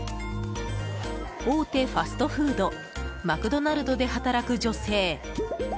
大手ファストフードマクドナルドで働く女性。